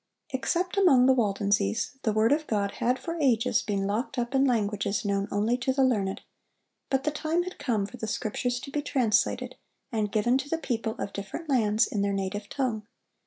Except among the Waldenses, the word of God had for ages been locked up in languages known only to the learned; but the time had come for the Scriptures to be translated, and given to the people of different lands in their native tongue.